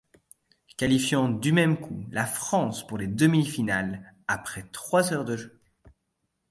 Qualifiant du même coup la France pour les demi-finales après trois heures de jeu.